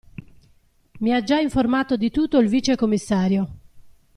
Mi ha già informato di tutto il vicecommissario.